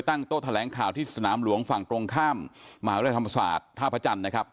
โต๊ะแถลงข่าวที่สนามหลวงฝั่งตรงข้ามมหาวิทยาลัยธรรมศาสตร์ท่าพระจันทร์นะครับ